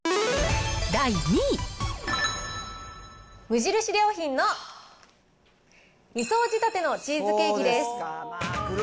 無印良品の２層仕立てのチーズケーキです。